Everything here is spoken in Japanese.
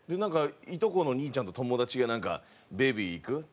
いとこの兄ちゃんと友達がなんか「ベビーいく？」